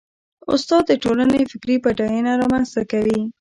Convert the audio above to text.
استاد د ټولنې فکري بډاینه رامنځته کوي.